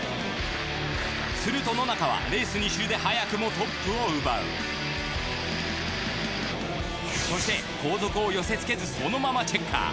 すると野中はレース２周で早くもトップを奪うそして後続を寄せ付けずそのままチェッカー。